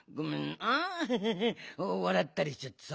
わらったりしちゃってさ。